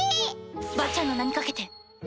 ばっちゃんの名に懸けて。